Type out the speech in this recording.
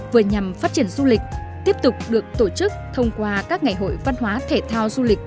vừa nhằm phát triển du lịch tiếp tục được tổ chức thông qua các ngày hội văn hóa thể thao du lịch